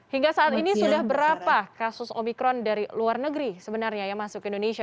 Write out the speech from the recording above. hingga saat ini sudah berapa kasus omikron dari luar negeri sebenarnya yang masuk ke indonesia